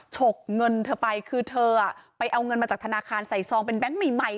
ฉกเงินเธอไปคือเธอไปเอาเงินมาจากธนาคารใส่ซองเป็นแก๊งใหม่